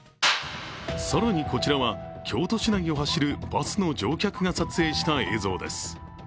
更にこちらは京都市内を走るバスの乗客が撮影した映像です。